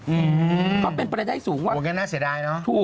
อืมงั้นน่าเสียดายเนอะถูก